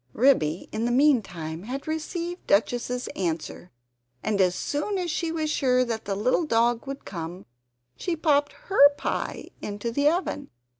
Ribby in the meantime had received Duchess's answer, and as soon as she was sure that the little dog would come she popped HER pie into the oven.